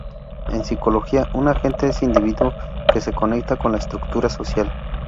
En sociología, un agente es un individuo que se conecta con la estructura social.